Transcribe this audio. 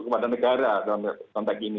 kepada negara dalam konteks ini